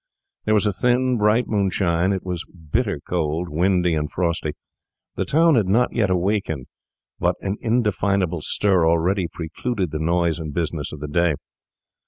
There was a thin, bright moonshine; it was bitter cold, windy, and frosty; the town had not yet awakened, but an indefinable stir already preluded the noise and business of the day.